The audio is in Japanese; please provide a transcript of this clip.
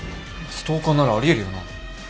ストーカーならありえるよな。